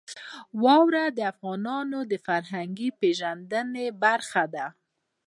واوره د افغانانو د فرهنګي پیژندنې برخه ده.